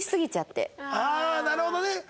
ああなるほどね。